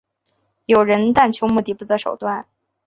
有人但求目的不择手段。